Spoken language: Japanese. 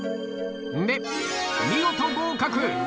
で、見事合格。